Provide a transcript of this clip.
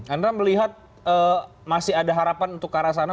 anda melihat masih ada harapan untuk ke arah sana